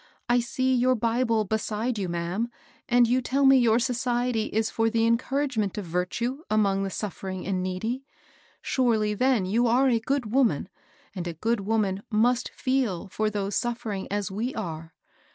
I see your Bible beside you, ma'am, and you tell me your society is for the encouragement of vu:tue among the suffering and needy; surely then you are a good woman, and a good woman mtist feel for those suffering as we are